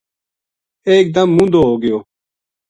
اک دم مُوندو ہو گیو